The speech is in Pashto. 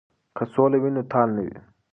که سوله وي نو تال نه وي.